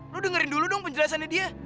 lu dengerin dulu dong penjelasannya dia